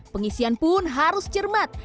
pengisian pun harus cermat